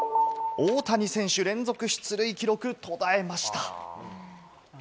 大谷選手、連続出塁記録、途絶えました。